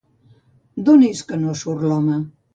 D'on és que no surt l'home?